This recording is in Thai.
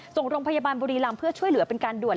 ส่งโรงพยาบาลบุรีรำเพื่อช่วยเหลือเป็นการด่วน